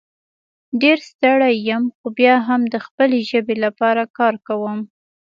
ډېر ستړی یم خو بیا هم د خپلې ژبې لپاره کار کوم